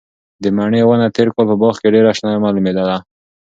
د مڼې ونه تېر کال په باغ کې ډېره شنه معلومېدله.